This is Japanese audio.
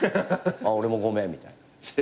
「あ俺もごめん」みたいな。